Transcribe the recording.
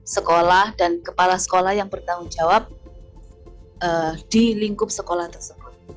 sekolah dan kepala sekolah yang bertanggung jawab di lingkup sekolah tersebut